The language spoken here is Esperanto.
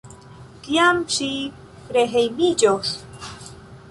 Kiam ŝi rehejmiĝos?